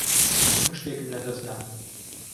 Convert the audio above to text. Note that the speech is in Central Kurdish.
هەموو شتێکم لەدەست دا.